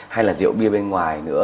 hay là rượu bia bên ngoài nữa